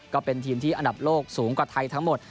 ก็เป็นทีมที่อันดับโลกสูงกว่าไทยทั้งหมด